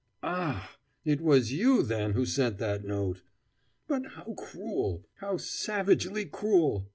"Ah! it was you, then, who sent that note! But how cruel, how savagely cruel!